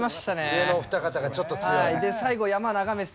上のお二方がちょっと強い。